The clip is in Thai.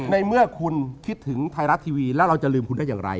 ในเมื่อคุณคิดถึงไทยรัฐทีวีแล้วเราจะลืมคุณได้อย่างไร